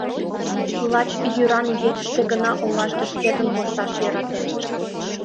Лач йӱран игечыште гына олаште шкетын кошташ йӧратен.